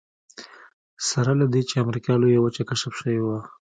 سره له دې چې امریکا لویه وچه کشف شوې وه.